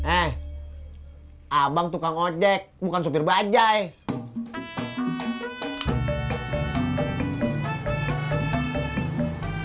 eh abang tukang ojek bukan sopir bajai